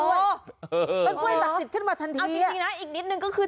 ต้นส้วยหลักหลีดขึ้นมาทันทีเอาจริงดีนะอีกนิดนึงคือ